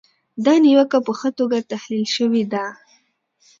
دا نیوکه په ښه توګه تحلیل شوې ده.